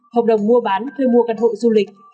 hợp đồng mua bán thuê mua căn hộ du lịch